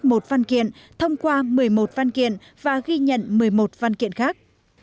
một văn kiện thông qua một mươi một văn kiện và ghi nhận một mươi một văn kiện khác